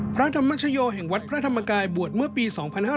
พระธรรมชโยแห่งวัดพระธรรมกายบวชเมื่อปี๒๕๕๙